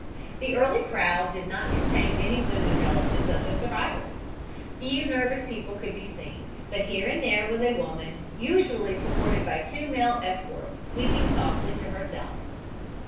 The early crowd did not contain many women relatives of the survivors. Few nervous people could be seen, but here and there was a woman, usually supported by two male escorts, weeping softly to herself.